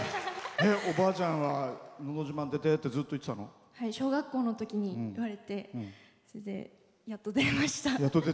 おばあちゃんは「のど自慢」出てってずっと言ってたの？小学校のときに言われて、やっと出れました。